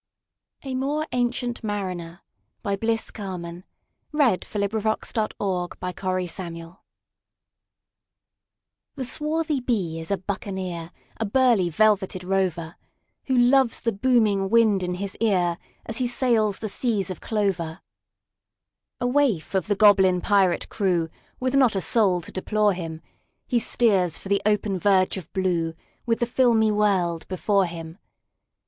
Anthology, 1837â1895. 1895. Bliss Carman 1861–1929 A More Ancient Mariner Carman B THE SWARTHY bee is a buccaneer,A burly velveted rover, Who loves the booming wind in his earAs he sails the seas of clover.A waif of the goblin pirate crew, With not a soul to deplore him, He steers for the open verge of blueWith the filmy world before him.